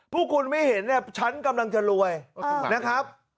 พวกคุณไม่เห็นเนี่ยฉันกำลังจะรวยนะครับ